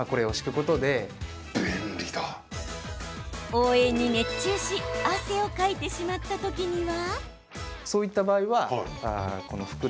応援に熱中し汗をかいてしまった時には。